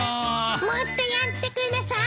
もっとやってくださーい。